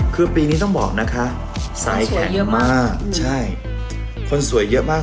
คือปีนี้ต้องบอกนะคะสายแข็งมากใช่คนสวยเยอะมาก